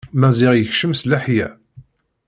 Maziɣ yekcem s leḥya.